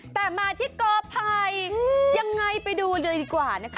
แต่มาที่กอภัยยังไงไปดูเลยดีกว่านะคะ